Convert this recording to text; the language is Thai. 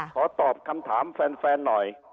ขอตอบคำถามแฟนหน่อย